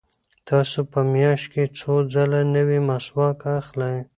تاسو په میاشت کې څو ځله نوی مسواک اخلئ؟